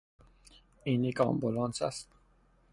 این یک آمبولانس است.